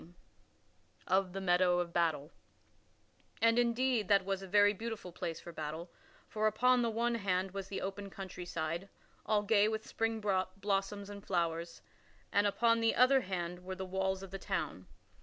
[Sidenote: Of the meadow of battle] And, indeed, that was a very beautiful place for battle, for upon the one hand was the open countryside, all gay with spring blossoms and flowers; and upon the other hand were the walls of the town.